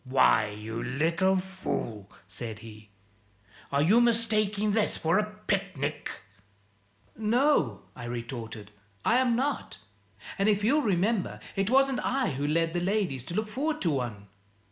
"Why, you little fool," said he, "are you mistaking this for a picnic?" "No," I retorted; "I am not. And, if you'll remember, it wasn't I who led the ladies to look forward to one."